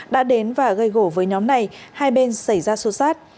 đã đến và gây gổ với nhóm này hai bên xảy ra xuất sát